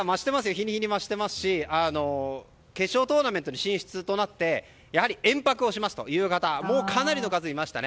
日に日に増してますし決勝トーナメントに進出となって延泊をしますという方がかなりの数いましたね。